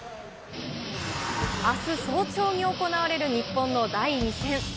あす早朝に行われる日本の第２戦。